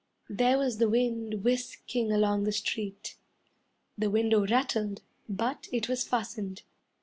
There was the wind whisking along the street. The window rattled, but it was fastened.